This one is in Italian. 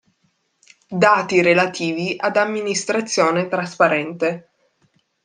Dati relativi ad amministrazione trasparente.